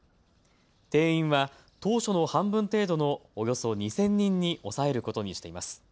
定員は当初の半分程度のおよそ２０００人に抑えることにしています。